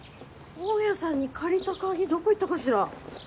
大家さんに借りた鍵どこ行ったかしら？